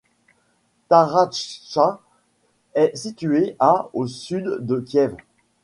Tarachtcha est située à au sud de Kiev.